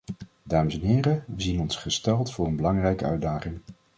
Dames en heren, we zien ons gesteld voor een belangrijke uitdaging.